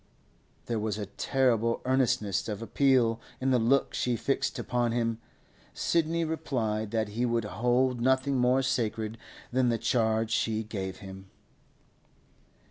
There was a terrible earnestness of appeal in the look she fixed upon him. Sidney replied that he would hold nothing more sacred than the charge she gave him.